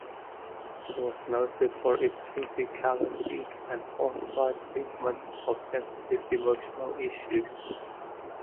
It was noted for its physicality and forthright treatment of sensitive emotional issues.